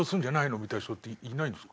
みたいな人っていないんですか？